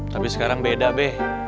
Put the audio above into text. tapi sekarang beda be